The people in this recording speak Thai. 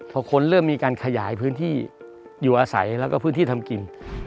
พอคนเริ่มมีการขยายพื้นที่อยู่อาศัยแล้วก็พื้นที่ทำกิน